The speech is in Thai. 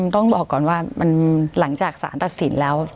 ต้องบอกก่อนว่ามันหลังจากสารตัดสินแล้ว